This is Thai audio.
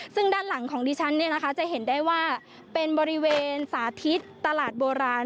ซึ่งด้านหลังของดิฉันเนี่ยนะคะจะเห็นได้ว่าเป็นบริเวณสาธิตตลาดโบราณ